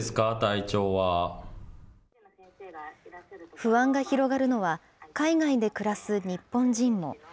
不安が広がるのは、海外で暮らす日本人も。